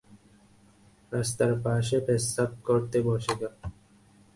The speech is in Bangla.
রাস্তার পাশে পেচ্ছাব করতে বসে গেল।